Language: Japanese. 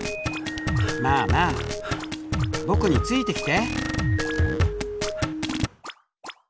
まあまあ僕についてきて。